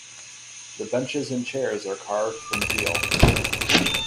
The benches and chairs are carved from deal.